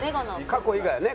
過去以外はね。